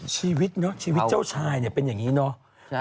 ชีวิตเนอะชีวิตเจ้าชายเนี่ยเป็นอย่างนี้เนาะ